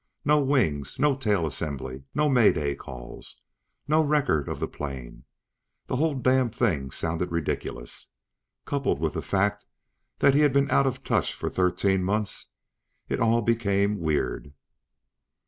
No wings? No tail assembly? No Mayday calls? No record of the plane? The whole damned thing sounded ridiculous. Coupled with the fact that he had been out of touch for thirteen months, it all became weird.